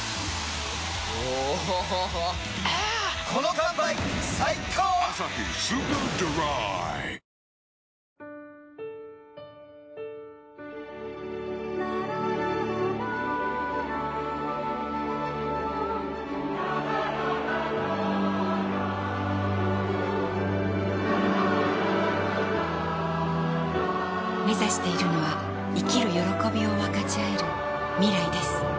ラララめざしているのは生きる歓びを分かちあえる未来です